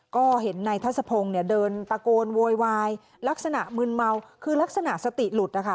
ก็เห็นนายทัศพงศ์เนี่ยเดินตะโกนโวยวายลักษณะมืนเมาคือลักษณะสติหลุดนะคะ